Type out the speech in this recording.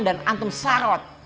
dan antum sarot